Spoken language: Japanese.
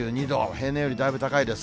平年よりだいぶ高いです。